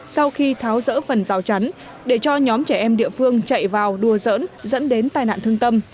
sau khi tháo rỡ phần rào chắn để cho nhóm trẻ em địa phương chạy vào đùa dỡn dẫn đến tai nạn thương tâm